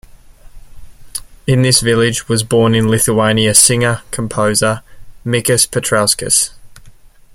In this village was born in Lithuania singer, composer Mikas Petrauskas.